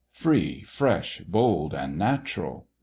Free, fresh, bold, and natural.